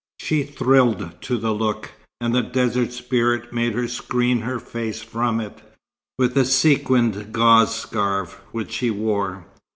She thrilled to the look, and the desert spirit made her screen her face from it, with a sequined gauze scarf which she wore.